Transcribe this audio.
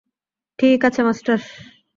ঠিক আছে, মাস্টার।